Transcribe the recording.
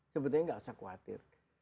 sebetulnya tidak usah khawatir